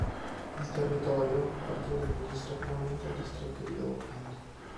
Il territorio appartiene amministrativamente al Distretto di Auckland.